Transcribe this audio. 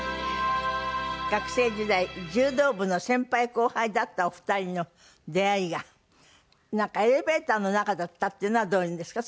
学生時代柔道部の先輩後輩だったお二人の出会いがなんかエレベーターの中だったっていうのはどういうのですか？